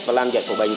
và làm dạy của bệnh